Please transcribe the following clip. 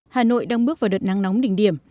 hà nội đang bước vào đợt nắng nóng đỉnh điểm